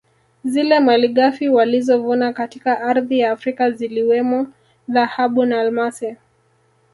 Zile malighafi walizovuna katika ardhi ya Afrika ziliwemo dhahabu na almasi